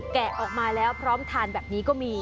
แกะออกมาแล้วพร้อมทานแบบนี้ก็มี